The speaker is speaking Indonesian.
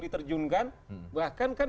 diterjunkan bahkan kan